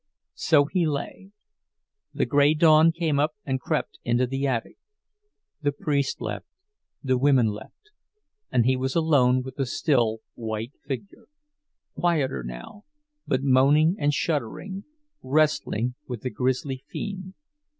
So he lay. The gray dawn came up and crept into the attic. The priest left, the women left, and he was alone with the still, white figure—quieter now, but moaning and shuddering, wrestling with the grisly fiend.